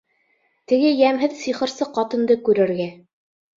Теге йәмһеҙ сихырсы ҡатынды күрергә.